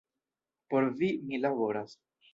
Por vi, mi laboras.